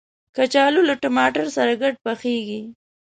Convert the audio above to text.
کچالو له ټماټر سره ګډ پخیږي